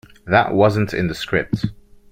That wasn't in the script.